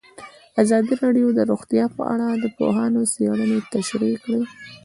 ازادي راډیو د روغتیا په اړه د پوهانو څېړنې تشریح کړې.